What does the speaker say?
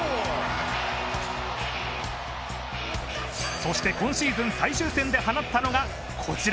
そして、今シーズン最終戦で放ったのがこちら。